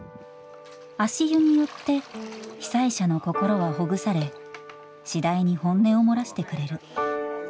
足湯によって被災者の心はほぐされ次第に本音を漏らしてくれる。